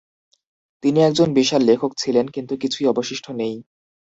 তিনি একজন বিশাল লেখক ছিলেন, কিন্তু কিছুই অবশিষ্ট নেই।